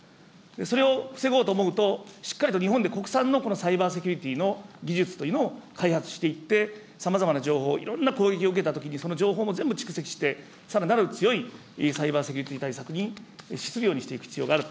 それを防ごうと思うと、しっかりと日本で国産のサイバーセキュリティの技術というのを開発していって、さまざまな情報を、いろんな攻撃を受けたときに、その情報も全部蓄積して、さらなる強いサイバーセキュリティ対策に資するようにしていく必要がある。